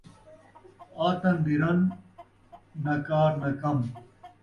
آتن دی رن، ناں کار ناں کم